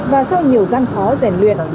và sau nhiều gian khó rèn luyện